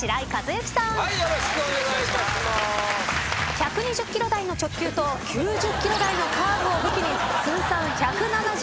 １２０キロ台の直球と９０キロ台のカーブを武器に通算１７６勝。